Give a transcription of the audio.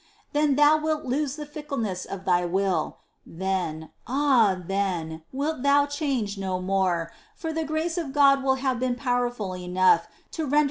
12 . Then thou wilt lose the fickleness of thy will ; then, ah then, wilt thou change no more for the grace of God will have been powerful enough to render thee ^ Ps.